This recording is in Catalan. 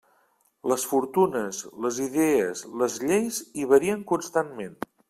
Les fortunes, les idees, les lleis hi varien constantment.